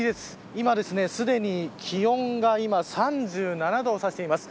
今ですね、すでに気温が３７度をさしています。